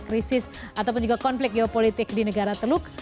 krisis ataupun juga konflik geopolitik di negara teluk